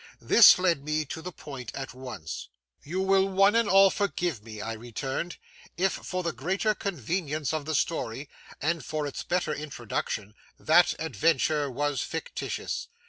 This led me to the point at once. 'You will one and all forgive me,' I returned, 'if for the greater convenience of the story, and for its better introduction, that adventure was fictitious.